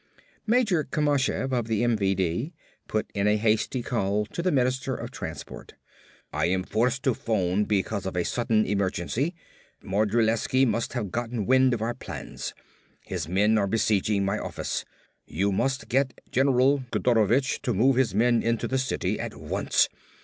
Major Kamashev of the MVD put in a hasty call to the Minister of Transport. "I am forced to phone because of a sudden emergency. Modrilensky must have gotten wind of our plans. His men are besieging my office. You must get General Kodorovich to move his men into the city at once!